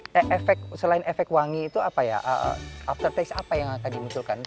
tapi selain efek wangi itu apa ya aftertaste apa yang tadi dimunculkan